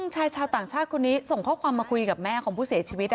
ชายชาวต่างชาติคนนี้ส่งข้อความมาคุยกับแม่ของผู้เสียชีวิต